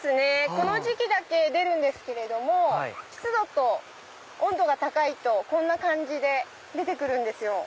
この時期だけ出るんですけれども湿度と温度が高いとこんな感じで出て来るんですよ。